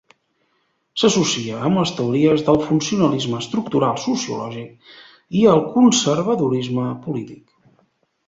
S'associa amb les teories del funcionalisme estructural sociològic i el conservadorisme polític.